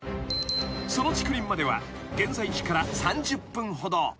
［その竹林までは現在地から３０分ほど］